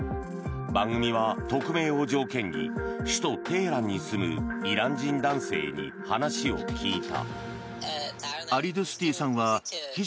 番組は匿名を条件に首都テヘランに住むイラン人男性に話を聞いた。